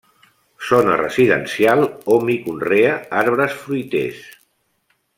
Zona residencial, hom hi conrea arbres fruiters.